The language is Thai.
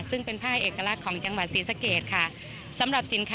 ซึ่งเป็นผ้าเอกลักษณ์ของจังหวัดศิษย์สเกตค่ะ